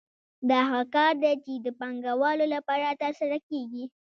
دا هغه کار دی چې د پانګوالو لپاره ترسره کېږي